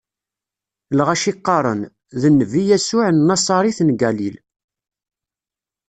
Lɣaci qqaren: D nnbi Yasuɛ n Naṣarit n Galil.